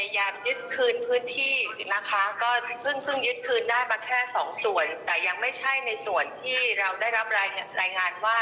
ยังไม่ใช่ในส่วนที่เราได้รับรายงานว่า